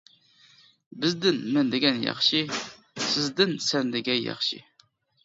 بىزدىن مەن دېگەن ياخشى، سىزدىن سەن دېگەن ياخشى.